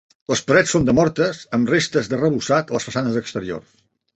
Les parets són de mortes amb restes d'arrebossat a les façanes exteriors.